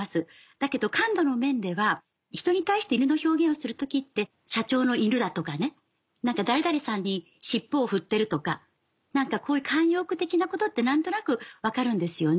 だけど感度の面では人に対して犬の表現をする時って「社長の犬」だとかね「誰々さんに尻尾を振ってる」とかこういう慣用句的なことって何となく分かるんですよね。